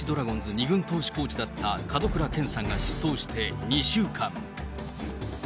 ２軍投手コーチだった門倉健さんが失踪して２週間。